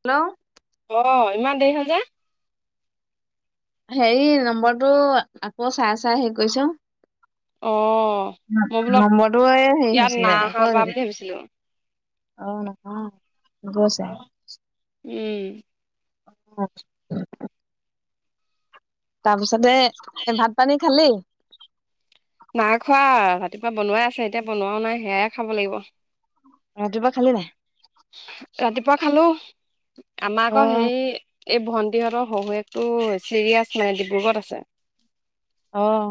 Hello. আহ ইমান দেৰি হল যে? হেৰি নম্বৰটো আকৌ চাই চাই হেৰি কৰিছ অ', মই বোলো নম্বৰটো এই হেৰি ইয়াত নাই হৈছিলে অহা আক অ বা বুলি ভাবিছিলো নহয়। গৈছে। উম। অ। তাৰপিছতে এ ভাত পানী খালি? নাই খোৱা ৰাতিপুৱা বনোৱাই আছে, এতিয়া বনোৱাও নাই সেয়াইে খাব লাগিব। ৰাতিপুৱা খালি নাই? ৰাতিপুৱা খালো আমাৰ অ আকৌ সেই এই ভণ্টিহঁতৰ শহু একটো চিৰিয়াছ মানে ডিব্ৰুগড়ত আছে। আহ।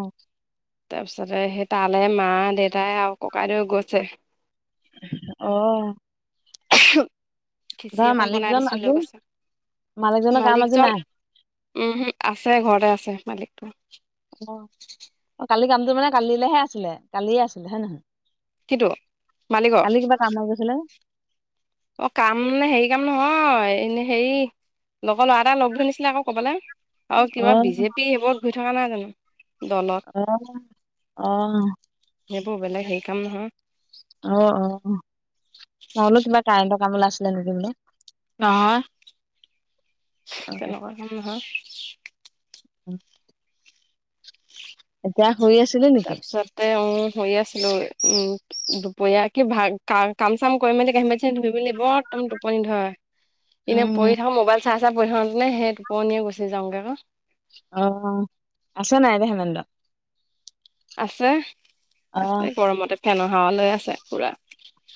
তাৰপিছতে সেই তালৈ মা দেউতাই আৰু ককাইদেউ গৈছে। অহ। [unintelligible] খিচি অকন বনাই মালিকজন দিছো আজি লৈ গৈছে। মালিকজনৰ কাম আজি মালিকজন নাই উম হম আছে ঘৰতে আছে মালিকটো। অ কালি কামটো মানে কালিলৈহে আছিলে কালিয়ে আছিলে হয় নহয়? কিটো মালিকৰ কালি কিবা কামত গৈছিলে। অ কাম নে হেৰি কাম নহয় এনে হেৰি লগৰ ল'ৰা এটা লগ ধৰি নিছিলে আকৌ কবালে। আৰু অ কিবা বিজেপি সেইবোৰত গৈ থকা নাই জানো। দলত আহ আ। ইেইবোৰ বেলেগ সেইৰি কাম নহয়। অ-অ। মই বোলো কিবা কাৰেণ্টৰ কাম ওলাই আছিলে নেকি বুলি। নহয়। তেনেকুৱা কাম নহয়। উ। এতিয়া আছিলি নেকি তাৰপিছতে অ ধুই আছিলো। উম দুপৰীয়া কি ভাত খাই, কাম-চাম কৰি মেলি কাঁহী-বাতি ধুই মেলি বৰ উ টোপনি ধৰে। এনেই উম পঢ়ি থাকোঁ, মোবাইল চাই চাই পঢ়ি থাকোঁতে সেই টোপনিয়ে গুচি যাওঁগে আকৌ। অহ-অহ। আছে নে নাই এনে হেমেন দা? আছে। আছে গৰমতে ফেনৰ হাৱা লৈ আছে পুৰা।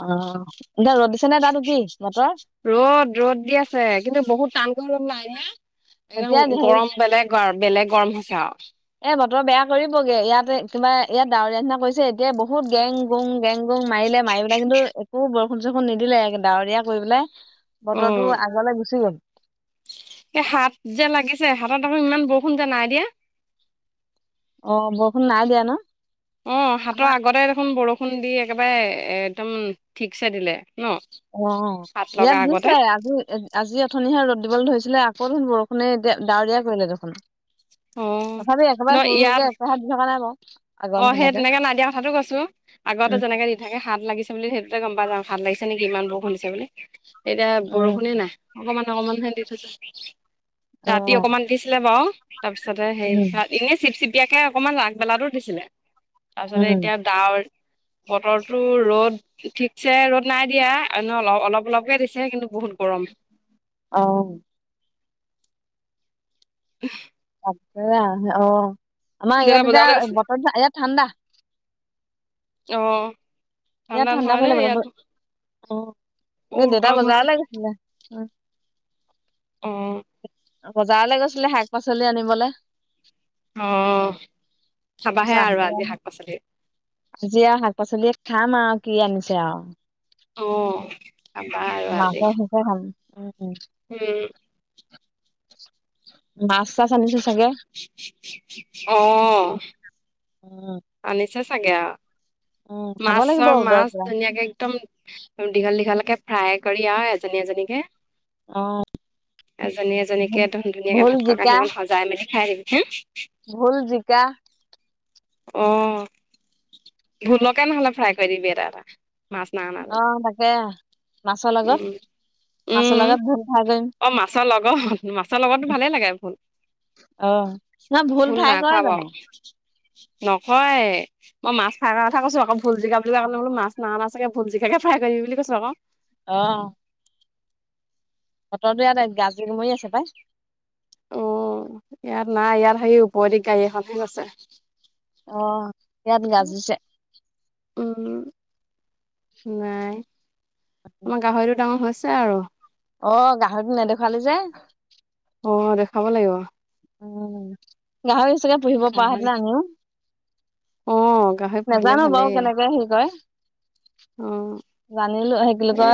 অ, এতিয়া ৰদ দিছে নে তাতো কি বতৰ? ৰ'দ-ৰ'দ দি আছে কিন্তু বহুত টান গৰম নাই। এতিয়া একদম হেৰি গৰম বেলেগ। বেলেগ গৰম হৈছে আও। এ বতৰ বেয়া কৰিবগে। ইয়াতে কিবা ইয়াত ডাৱৰীয়া নিচিনা কৰিছে এতিয়া বহুত গেং গুং গেং গুং মাৰিলে, মাৰি পেলাই কিন্তু একো বৰষুণ চৰষুণ নিদিলে একে ডাৱৰিয়া কৰি পেলাই বতৰটো আগলে গুচি গল। এ হাত যে লাগিছে হাতত আকৌ ইমান বৰষুণ যে নাই দিয়া? অ বৰষুণ নাই দিয়া ন? অ হাতৰ আমাৰ আগতে দেখোন বৰষুণ দি একেবাৰে একদম ঠিকছে দিলে ন অ হাত লগা ইয়াত আগতে দিছে। আজি-আজি অথনিহে ৰ'দ দিবলৈ ধৰিছে আছিলে আকৌ দেখোন বৰষুণে ডাৱৰীয়া কৰিলে দেখোন। অ', তথাপি ন একেবাৰে হোৰ ইয়াত হোৰকে একেবাৰে দি থকা নাই বাও। অ সেই তেনেকে নাই দিয়া কথাটো কৈছো। আগতে উম যেনেকে দি থাকে হাত লাগিছে বুলি সেইটোতে গম পাই যাও হাত লাগিছে নেকি ইমান বৰষুণ দিছে বুলি। এতিয়া উম বৰষুণে নাই। অকমান অকমান হে দি থৈছে। অ ৰাতি অকমান দিছিলে বাৰু। তাৰপিছতে হে উম এনেই চিপ চিপিয়াকে অকনমান আগবেলা টো ছিলে। তাৰপিছতে উম এতিয়া ডাৱৰ [inaudible] বতৰটো ৰ'দ ঠিকছে ৰ'দ নাই দিয়া। এনে অলপ অলপ অলপকে দিছে কিন্তু বহুত গৰম। [inaudible] অ। উহ অ আমাৰ দেউতা ইয়াত বজাৰলৈ এতিয়া গৈছে বতৰ ইয়াত ঠাণ্ডা। অ। ইয়াত ঠাণ্ডা নহয় দেই পেলাব, ৰ'দ ইয়াত গল। অ বহুত দেতা গৰম হৈছে বজাৰলে গৈছিলে। অ। অঁ। বজাৰলে গৈছিলে শাক পাচলি আনিবলে। অ চাবাহে আৰু আজি শাক-পাচলি। আজি আৰু শাক পাচলি খাম আও কি আনিছে আও। অ খাবা আৰু আজি মাছৰ চিতল ভাল। উম, উম। উম মাছ চাছ আনিছ চাগে। অ। উম আনিছে চাগে আও। উম খাব লাগিব মাছৰ ৰ'দৰ মাছ পৰা ধুনীয়াকে একদম দীঘল দীঘলকে ফ্ৰাই কৰি আৰু এজনী এজনীকে অ এজনী এজনীকে একদম ধুনীয়াকে ভোল ভাত খোৱা জিকা কাঁহীখন সজাই মেলি সাৰিবি চোন। ভোল, জিকা। অ, ভোলকে নহ'লে ফ্ৰাই কৰি দিবি এটা এটা। মাছ নাই অনা যদি অহ তাকে মাছৰ লগত। উম, মাছৰ উম। লগত ভোল ফ্ৰাই কৰিম অ মাছৰ লগত? মাছৰ লগতটো ভালেই লাগে ভোল। অ তোমই ভুল ভোল নাই ঠাই খোৱা কৰে বাৰু জানো নকয় মই মাছ খাই কথা কৈছো আকৌ ভুল জিকা বুলি কলে বোলো মাছ ন না চাগে ভুল জিকা। ফ্ৰাই কৰিম বুলি কৈছ আকৌ আহ। বতৰটো ইয়াত গাজি গমৰি আছে পাই অ ইয়াৰ নাই ইয়াৰ সেই ওৰে গাড়ী এখনহে গৈছে। আহ সয়ান গাজছে। উম নাই আমাৰ গাহৰিতটো ডাঙৰ হৈছে আছে আৰু, অ গাহৰিটো নেদেখুৱালি যে। অ দেখাব লাগিব। উ গাহৰি চকে পুহিব পৰা হ গাহৰি। ন আমিও অ গাহৰি পুহিলে নাজানো বাৰু ভালেই কেনেকে হে কয় অ, এ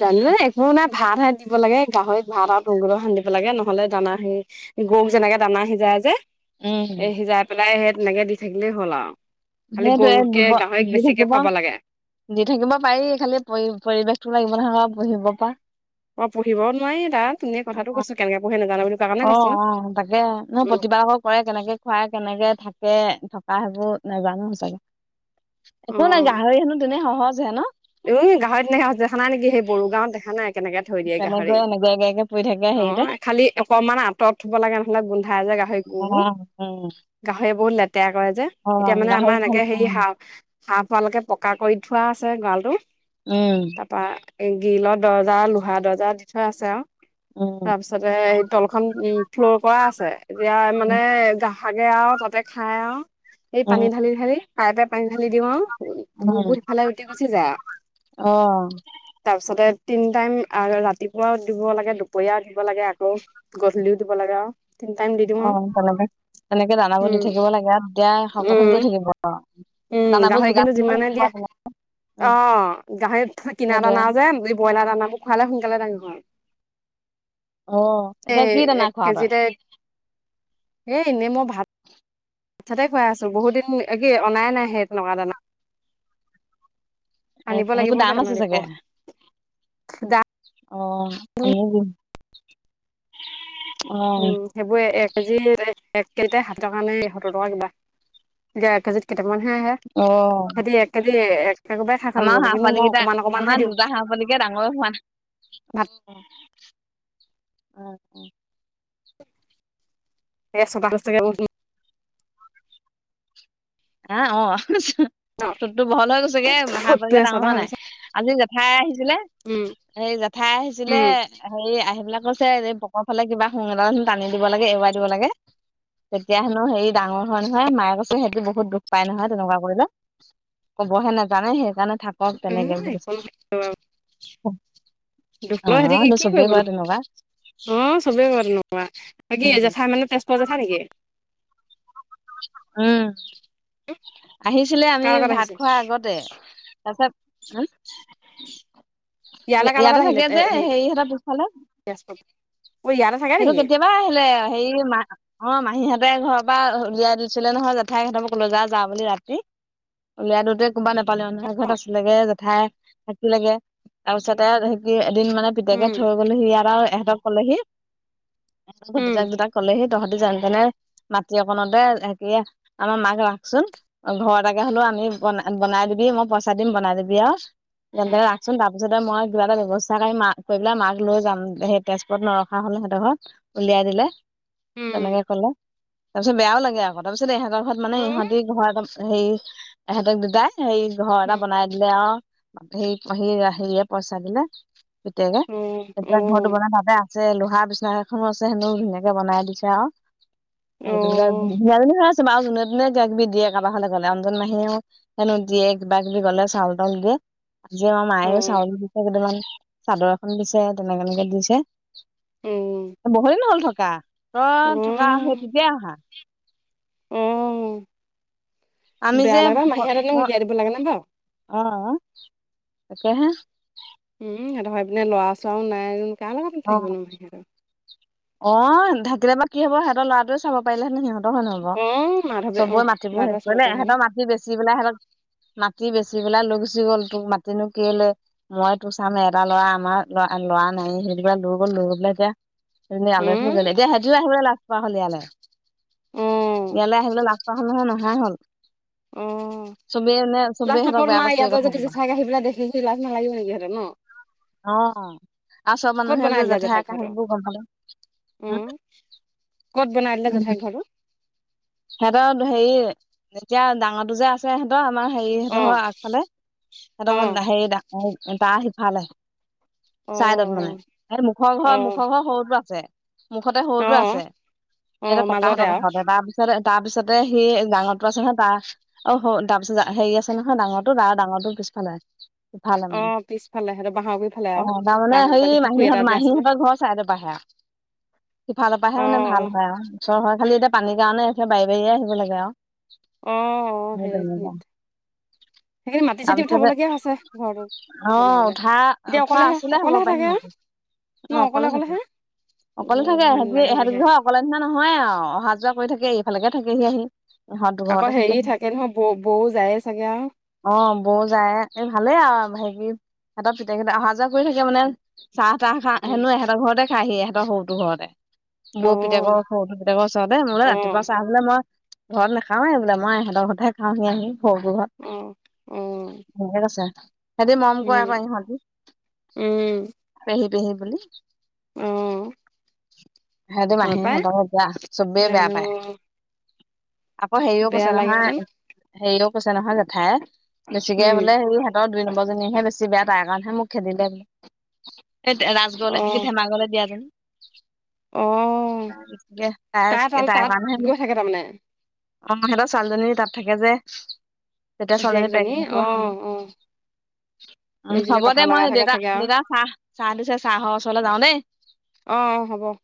জানো একখন নাই, ভাত হে দিব লাগে গাহৰিত ভাত আৰু তগল সান্ দিব লাগে নহলে দানা স গৰুক যেনেকে দানা সিজাই যে। উম এ সিজাই পেলাই সেই তেনেকে দি থাকিলেই হ'ল আৰু খালি সেইটোয়ে গৰুতকে দিব গাহৰিক দি বেছিকে থাকিব খুৱাব লাগে দি থাকিব পাৰি খালি পৰি পৰিৱেশ টো লাগিব নহয় পঢ়িব পৰা অ পঢ়িবও নোৱাৰি তা তুমি কথাটো কৈছো কেনেকে পঢ়ি নাজানো বুলি তাৰ কাৰণে কৈছোঁ প্ৰতিবাহ কৰে কেনেকে খুৱাই কেনেকে থাকে তে থকা সেইবোৰ নাজানো সঁচাকে একো নাই গাহৰি হনো তেনেই সহজ সহজ হেনো এ গাহৰি তেনেই সহজ দেখা নাই নেকি সেই বড়ো গাওঁত দেখা নাই কেনেকে থৈ দিয়ে গাহৰি তেনেকৈ এনেকৈ একে একে পৰি থাকে অ হেৰিতে খালি অকমান আঁতৰত থব লাগে নহলে গোন্ধাই যে উম গুবোৰ উম গাহৰি বহুত লেতেৰা কৰে যে অ এতিয়া মানে গাহৰি আমাৰ খাল এনেকে হেৰি হা হাফ হোৱালৈকে পকা কৰি থোৱা আছে গৰালটো উম এ গিলৰ দৰ্জা লোহা দৰ্জা দি থোৱা আছে আৰু উম তাৰপিছতে তলখন উ ফ্ল'ৰ কৰা আছে এতিয়া উম, মানে গাহ গে আৰু তাতে খাই আৰু এই উম, পানী ঢালি ঢালি পাইপে পানী ঢালি দিওঁ আও উম, গুবোৰ সিফালে উটি গুচি যায়। অ তে তিনি টাইম ৰাতিপুৱাও দিব লাগে দুপৰীয়া উ দিব লাগে আকৌ গধূলিও দিব লাগে আও অ তেনেকে তেনেকে দানাবোৰ দি উম থাকিব লাগে আৰু তেনেকেই শকত হৈ উম গৈ থাকিব। উম দানাবোৰ গাহৰি যোগান কিন্তু ধৰিব যিমানে লাগিব দিয়া আৰু তেনেকে। অ উম, গাহৰি কিনা সেইটোয়ে দানা যে এ ব্ৰইলাৰ দানা বোৰ খোৱালে সোনকালে ডাঙৰ হয়। অ', এ এতিয়া কি দানা এক খোৱা তই? কেজিতে এ এনেই মই ভাত তে খুৱাই আছো বহুত দিন এ কি অনাই নাই সেই তেনেকুৱা দানা এ, আনিব লাগিব সেইবোৰ দাম আছে কেইটামান আকৌ চাগে অ আনিবি হম সেইবোৰেই এক কেজি কেইটাই সাত টকা নে সত্তৰ টকা কিবা এতিয়া এক কেজিত কেইটামানহে আহে অ', সিহঁতি এক কেজি একেবাৰে খাই খতম আমাৰ কৰিব হাঁহ কিন্তু মই পোৱালিকেইটা অকমান অকমানহে আমাৰ দিওঁ দুটা হাঁহ পোৱালিকে ডাঙৰ হোৱা নাই ভাত উম উম। এ ছটা কওঁ চোন এ অ ঠোঁটতো বহল হৈ গৈছগে হাঁহ পোৱালী ফুটটো কেইটা ডাঙৰ এচটা হোৱা হৈ নাই গৈছে আজি জেঠাই আহিছিলে উম এই জেঠাই আহিছিলে উম হেৰি আহি পেলাই কৈছে পকৰ ফালে কিবা সোং এডাল টানি দিব লাগে এৰুৱাই দিব লাগে তেতিয়া হেনো হেৰি ডাঙৰ হয় নহয় মায়ে কৈছে সিহঁতি বহু বহুত দুখ পাই নহয় তেনেকুৱা কৰিলে কবহে নাজানে সেইকাৰণে থাকক উম তেনেকে একো নহয় অ চবেই কৰে তেনেকুৱা হম চবে কৰে তেনেকুৱা এ কি উম জেঠাই মানে তেজপুৰ জেঠাই নেকি উম আহিছিলে আমি কাৰ লগত ভাত আহিছে খোৱাৰ আগতে তাৰ পিছত উম ইয়ালৈ কাৰ লগত ইয়াতে আহিলে থাকে যে হেৰি সেইহঁতৰ পিছফালে। তেজপুৰ অ ইয়াতে থাকে সেইটো নেকি কেতিয়াবা আহিলে হেৰি ম অ মাহীহঁত তাই ঘৰৰ পৰা উলিয়াই দিছিলে নহয় জেঠাই সহঁতৰক কলে যা যাওঁ বুলি ৰাতি। উলিয়াই দিওঁতে কোবা নাপালে মানুহে ঘৰত আছিলেগে জেঠাই থাকিলেগে তাৰপিছতে সে কি এদিন মানে পিতেকে উম থৈ গ'লহি ইয়াত আৰু ইহঁতক থলেহি ভৰ উম দুটা কলেহে তহতি যে তেনে মাটি অকনতে হ আমাৰ মাক ৰাখচোন ঘৰত আগে হলেও বুলি ব বনাই দিবি মই পইচা দিম বনাই দিবি আৰু তেনেকে ৰাখচোন ত তাৰপিছতে মই কিবা এটা ব্যৱস্থা কৰি মাক কৰি পেলাই মাক লৈ যাম। সেই তেজপুৰত নৰখা হলে উলিয়াই দিলে উম তেনেকে কলে তাৰপিছত বেয়াও লাগে আকৌ তাৰপিছত এই ঘৰত মানে উম ইহঁতি ঘৰ এটা হেৰি ইহঁতক দুটাই সে ঘৰ এটা উম বনাই দিলে আৰু সেই সেই হেৰিয়ে পইচা দিলে পিতেকে উম অ তেতিয়া ঘৰটো অ বনাই ভ আ যে লোহা বিচনা এখনো আছে সেনও ধুনীয়াকে বনাই দিছে আৰু আহ গ অ', যোনে যোনে কিবা কিবি দিয়ে কাৰোবাৰ ঘৰলে গলে। আনজন মাহেও হেনো দিয়ে কিবা কিবি গলে চাউল তাউল দিয়ে আজি আমাৰ মায়েও অ', চাউল দিছে কেইটামান চাদৰ এখন দিছে তেনেকেনেকে দিছে উম, বহু দিন হল থকা তই থকা আহে তেতিয়া আহা উম আমি যে বেয়া লাগে বা মাহী এক অ উলিয়াই দিব লাগে ন বু অ তাকেহে উম সিহঁতৰ হয় পিনে ল'ৰা ছৰাও নাই কাৰ লগত থাকিব নো সিহঁতে। নাথাকিলে বা কি হ'ব সিহঁতৰ লৰাৱে চাব পাৰিলেহেতেন সিহঁত নহব অ', মাধৱে চবৰে অ', মাটিবোৰ শেষ ল'ৰাটোৱে চাব কৰিলে পাৰে নহয়। ইহঁতৰ মাটি বেচি পেলাই সহঁতক মাটতি বেচি পেলাই লৈ গুচি গ'ল তোক মাতিিনো কলে মই তোক চাম এটা ল'ৰা আমাৰ লৰা লৰা নাই হেৰি ল গ'ল লৈ গ পলে এতিয়া স আলোহচনী উম, গ'লে এতিয়া সেঁতিও আহিব লাষ্টপা হলিয়ালে অ', ইয়ালৈ আহিবলৈ লাজ পোৱা হ'ল নহয় নহয় হল অ চবেই মানে চবেই লাজ সিহঁতক নাপৰ বেয়া নাই পাইছে এই ইয়াতে কথাটোৰ যদি পৰা চাগে আহেই পেলাই দেখি লাজ নালাগিব নেকি হহঁতে ন অ আৰু চব ক'ত মানুহে বনাই যে দিলে জেঠাইক জেঠাইকা হ ঘৰটো? গম পালে উম কত বনাই দিলে উম জেঠাই ঘৰটো সিহঁতৰ হেৰি এতিয়া ডাঙৰটো যে আছে সিহতৰ আমাৰ হেৰি সিহঁতৰ অ', আগফালে অ', সিহঁতৰ হে দাহ সিফালে চাইদত অ', মানে এই মুখৰ ঘৰৰ অ', মুখৰ ঘৰ সৰুটো আছে মুখতে সৰুতো আছে অ', এয়া অ', মাজতে ককাহঁতৰ আৰু। কাষতে তাৰপিছতে তাৰপিছতে সি জাঙত আছে নহয় তাৰ অ তাৰ পিছত হেৰি আছে নহয় ডাঙৰটো তাৰ ডাঙৰটো পিছফালে সিফালে অ মানে পিছফালে হেৰা অ তাৰমানে হে এটা মাহীহঁত যে আছিলে মাহীহঁতৰ ঘৰ চাইড প়ে আৰু সিফালৰ অ পৰাহে মানে অ ভাল হয় আৰু ওচৰ হয় খালি এতিয়া পানীৰ কাৰণে বাৰী বঢীয়ে আহিব লাগে আৰু আহ আহ সেই তেনেকুৱা সেইখিত সেইখিনি মাটি চতি তাৰপিছতে উঠাবলগীয়া হৈছে ঘৰটো অ' বনাবলে উঠা- এতিয়া উঠোৱা অকলেহে আছিলে হ'ব অকলেহে পায় থাকে সিহঁতে। ন মই অকলে থাকোঁ। অকলেহে ব অকলে থাকে ভয় এহেতি- নালাগে এহেত বুলিহে [unintelligible] অকলে নিচিনা নহয় আৰু। অহা-যোৱা কৰি থাকে। এইফালেগে থাকে সি আহি। ইহঁত আকৌ দুঘৰতে হেৰি থাকেহি থাকে নহয়, ব- বৌও যায়ে চাগে আৰু। অ' বৌ যায়। একে ভালে আৰু ভাগি সিহঁতৰ পুতেকহঁতে অহা-যোৱা কৰি থাকে মানে। চাহ-তাহ খা- উম হেনে এহেতৰ ঘৰতে খাইহি এহেতৰ সৰুটো ঘৰতে। অ বৌ পিতেকৰ সৰুটো পুতেকৰ ওচৰতে মোলৈ অ ৰা তিপুৱা চাহ বোলে মই ঘৰত নাখাওঁৱে বোলে, মই এহেতৰ ঘৰতহে খাওঁহে আহি। [unintelligible] অ হত। অ মোৰ ঘৰত আছে। সেতি মৰম কৰে আক' উম ইহতি। উম পেহী পেহী বুলি। অ সিহঁতৰ হয় পাই মাহীয়েকহঁতৰ পৰা চবেই বেয়া সেইদিনাখনি অ পায়। আকৌ হেৰিও বেয়া কৈছে লাগিবতোন নহয় হেৰিও কৈছে নহয় জেঠায়ে। বেছিকে উম বোলে হেৰি হেতৰ দুই ন জনীহে বেছি বেয়া। তাইৰ কাৰণেহে মোক খেদিলে বোলে। এ- তে- অ ৰাজগড়লে এনকে ধেমাগলৈ দিয়া যেন। অ তাই তাল [unintelligible] তাত গৈ থাকে তাৰমানে। অ' সিহঁতৰ ছোৱালীজনী তাত থাকে যে। তেতিয়া ছোৱালীজনীয়ে জীয়েকজনী প্ৰেগনেণ্টতো অ আছিলে। অ উম জীয়েকজনী হ'ব কথা দে, লগাই মই থাকে দেউতা- চাগে আৰু দেউতাক চাহ- চাহ দিছে। চাহৰ ওচৰলৈ যাওঁ দেই। অ' হ'ব।